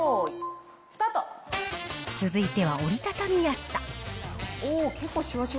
続いては折り畳みやすさ。